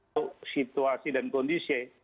untuk situasi dan kondisi